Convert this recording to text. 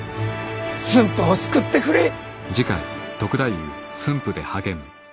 駿府を救ってくれい。